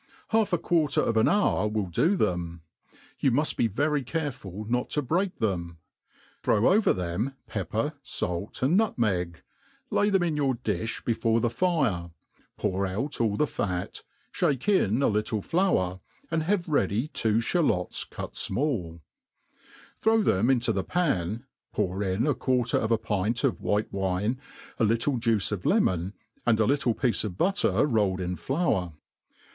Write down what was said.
Half a quarter of an hour will do them. You mufl be very careful not to break them ; throw over them pepper, fait, and nutmeg, lay theni in your difh before the fire, pour out all the fat, ftake ip a little flour, and have ready two fhalots cut fmall ; throw them into the pan, pour in a quarter of a pint of white wine, .a ]itt]<^ juice of lemon, and a little piece of butter rolled in flour.